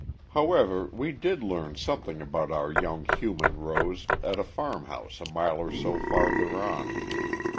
However, we did learn something about our young human rose at a farmhouse a mile or so farther on.